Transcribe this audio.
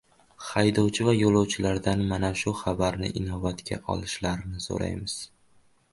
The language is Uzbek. Haydovchi va yo‘lovchilardan mana shu xabarni inobatga olishlarini so‘raymiz.